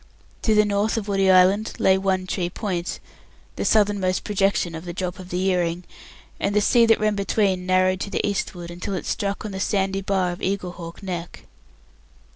To the north of Woody Island lay One tree Point the southernmost projection of the drop of the earring; and the sea that ran between narrowed to the eastward until it struck on the sandy bar of Eaglehawk Neck.